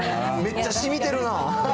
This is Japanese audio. めっちゃしみてるな。